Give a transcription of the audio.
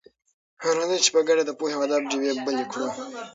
راځئ چې په ګډه د پوهې او ادب ډېوې بلې کړو.